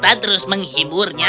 jika kita terus menghiburnya